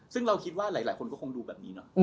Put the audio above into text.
ซึ่งเราคิดว่าหลายคนก็คงดูแบบนี้เนาะ